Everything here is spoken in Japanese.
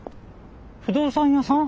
不動産屋さん？